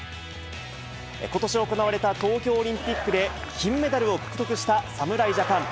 ことし行われた東京オリンピックで、金メダルを獲得した侍ジャパン。